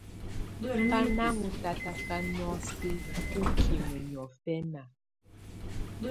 Bá na ɔ́n tatakà nɔ̀ósɛ̀ bukimǝ niɔ̀fɛna.